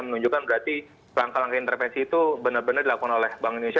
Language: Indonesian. menunjukkan berarti langkah langkah intervensi itu benar benar dilakukan oleh bank indonesia